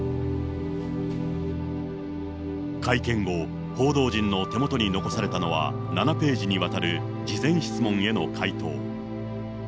会見後、報道陣の手元に残されたのは、７ページにわたる事前質問への回答。